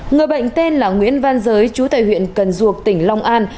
người bệnh tên là nguyễn văn giới chú tại huyện cần duộc tỉnh long an